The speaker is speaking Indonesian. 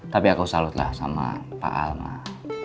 tapi aku salutlah sama pak al mak